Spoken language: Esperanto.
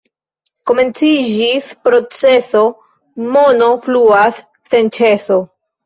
Komenciĝis proceso, mono fluas sen ĉeso.